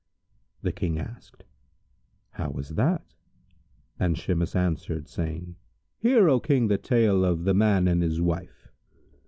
The King asked, "How was that?" and Shimas answered, saying, "Hear, O King the tale of The Man and his Wife.